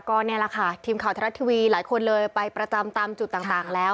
ก็นี่แหละค่ะทีมข่าวทรัฐทีวีหลายคนเลยไปประจำตามจุดต่างแล้ว